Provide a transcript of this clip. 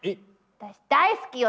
私大好きよ！